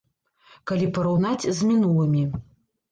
Калі параўнаць з мінулымі.